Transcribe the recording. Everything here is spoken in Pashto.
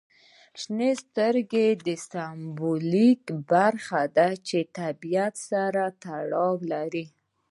شنې سترګې د سمبولیکه برخه ده چې د طبیعت سره تړاو لري.